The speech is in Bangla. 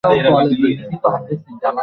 তারপর আর তো তার খবরাখবর নাই।